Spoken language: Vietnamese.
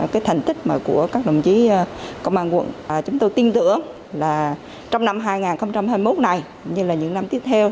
cái thành tích mà của các đồng chí công an quận chúng tôi tin tưởng là trong năm hai nghìn hai mươi một này như là những năm tiếp theo